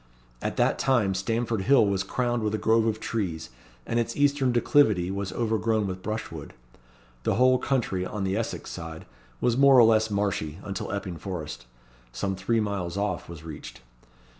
At that time Stamford Hill was crowned with a grove of trees, and its eastern declivity was overgrown with brushwood. The whole country, on the Essex side, was more or less marshy, until Epping Forest, some three miles off, was reached.